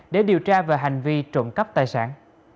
để điều tra về hành vi trộm cắp tài sản